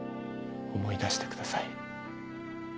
思い出してください。